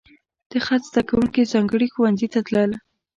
د خط زده کوونکي ځانګړي ښوونځي ته تلل.